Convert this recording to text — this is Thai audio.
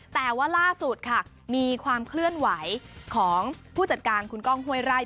แต่ว่าล่าสุดค่ะมีความเคลื่อนไหวของผู้จัดการคุณก้องห้วยไร่